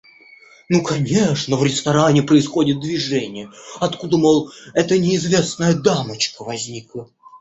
Ну конечно в ресторане происходит движение, откуда, мол, эта неизвестная дамочка возникла.